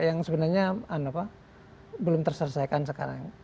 yang sebenarnya belum terselesaikan sekarang